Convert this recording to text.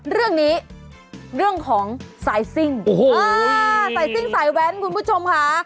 เรื่องของสายซิ่งสายซิ่งสายแว้นคุณผู้ชมค่ะ